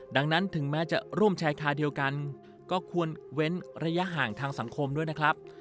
ดังนั้นถึงแม้จะร่วมชายคาเดียวกันก็ควรเว้นระยะห่างทางสังคมด้วยนะครับ